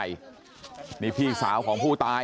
ชาวบ้านในพื้นที่บอกว่าปกติผู้ตายเขาก็อยู่กับสามีแล้วก็ลูกสองคนนะฮะ